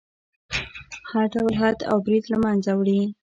هر ډول حد او برید له منځه وړي.